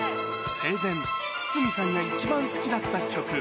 生前、筒美さんが一番好きだった曲。